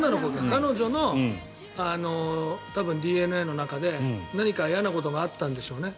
彼女のＤＮＡの中で何か嫌なことがあったんでしょうね。